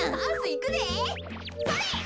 それ！